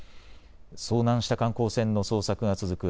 遭難した観光船の捜索が続く